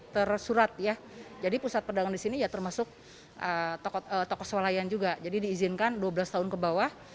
tersurat ya jadi pusat perdagangan disini termasuk tokos walayan juga jadi diizinkan dua belas tahun ke bawah